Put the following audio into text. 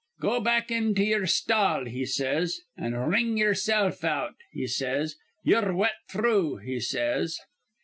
'Go back into ye'er stall,' he says, 'an' wring ye'ersilf out,' he says. 'Ye'er wet through,' he says.